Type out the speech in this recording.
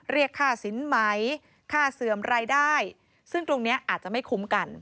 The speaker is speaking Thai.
เรียกค่าสินไหมค่าเสื่อมรายได้ซึ่งตรงนี้อาจจะไม่คุ้มกัน